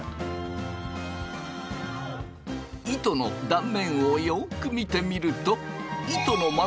糸の断面をよく見てみると糸の真ん中が白い。